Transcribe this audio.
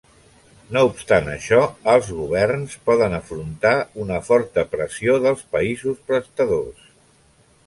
No obstant això, els governs poden afrontar una forta pressió dels països prestadors.